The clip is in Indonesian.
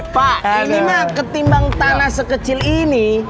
pak ini mah ketimbang tanah sekecil ini